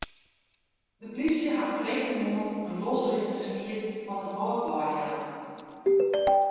De polysje hat freedtemoarn in losrinnend skiep fan de Wâldwei helle.